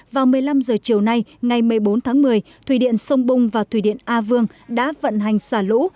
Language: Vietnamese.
vào một mươi năm h chiều nay ngày một mươi bốn tháng một mươi thủy điện sông bung và thủy điện a vương đã vận hành xả lũ